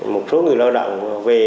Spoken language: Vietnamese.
một số người lao động về